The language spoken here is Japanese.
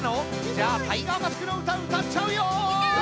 じゃあ「タイガーマスク」のうたうたっちゃうよ！